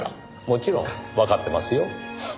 もちろんわかってますよ。